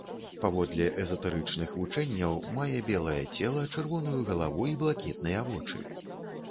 Паводле эзатэрычных вучэнняў мае белае цела, чырвоную галаву і блакітныя вочы.